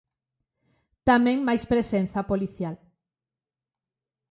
Tamén máis presenza policial.